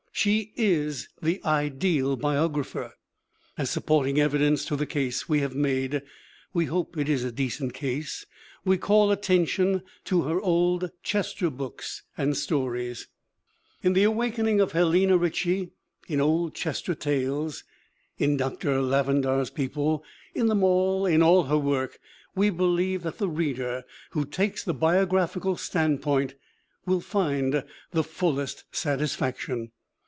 She is the ideal biographer. As supporting evidence to the case we have made (we hope it is a decent case) we call attention to her Old Chester books and stories. In The Awakening of Helena Richie, in Old Chester Tales, in Dr. Lavendar's People in them all, in all her work we believe that 86 THE WOMEN WHO MAKE OUR NOVELS the reader who takes the biographical standpoint will find the fullest satisfaction.